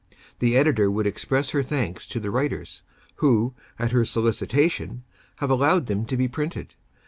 The editor would express her thanks to the writers, who, at her solicitation, have allowed them to be printed.